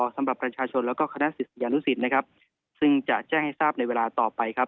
สำหรับประชาชนแล้วก็คณะศิษยานุสิตนะครับซึ่งจะแจ้งให้ทราบในเวลาต่อไปครับ